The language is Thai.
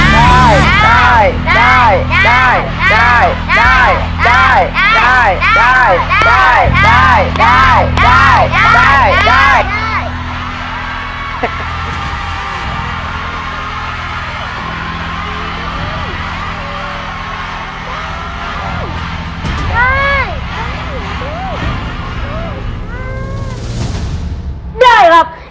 ใช่